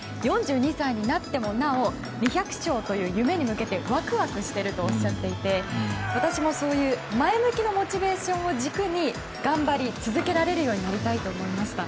４２歳になってもなお２００勝という夢に向けてワクワクしているとおっしゃっていて私もそういう前向きなモチベーションを軸に頑張り続けられるようになりたいと思いました。